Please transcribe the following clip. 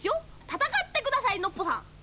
戦ってください、ノッポさん。